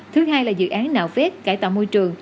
thứ hai là dự án nạo vét cải tạo môi trường